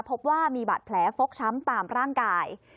พบว่ามีบาดแผลฟกช้ำตามร่างกาย